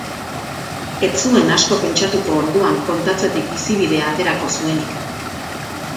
Ez zuen asko pentsatuko orduan kontatzetik bizibidea aterako zuenik.